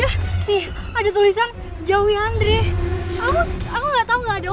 sampai jumpa di video selanjutnya